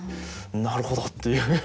なるほど！っていう。